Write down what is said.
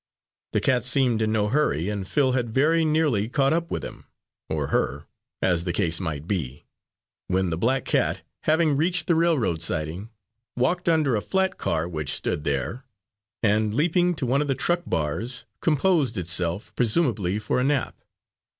The cat seemed in no hurry, and Phil had very nearly caught up with him or her, as the case might be when the black cat, having reached the railroad siding, walked under a flat car which stood there, and leaping to one of the truck bars, composed itself, presumably for a nap.